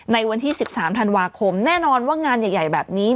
ในวันที่๑๓ธันวาคมแน่นอนว่างานใหญ่แบบนี้